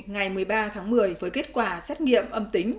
ngày một mươi ba tháng một mươi với kết quả xét nghiệm âm tính